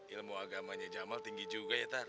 ilmu agamanya jamal tinggi juga ya tar